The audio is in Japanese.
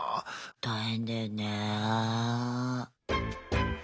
大変だよね。